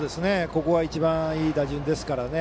ここが一番いい打順ですからね。